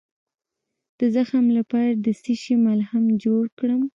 د زخم لپاره د څه شي ملهم جوړ کړم؟